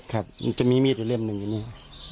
ครับจะมีมีดอยู่เรื่องหนึ่งอย่างนี้